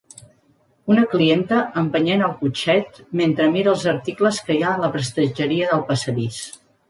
Una clienta empenyent el cotxet mentre mira els articles que hi ha a la prestatgeria del passadís.